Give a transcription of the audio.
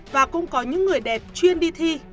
và cũng có những người đẹp chuyên đi thi